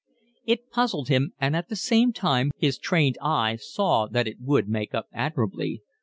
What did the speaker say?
It puzzled him, and at the same time his trained eye saw that it would make up admirably.